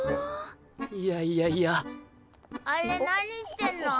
いやいやいやあれ何してんの？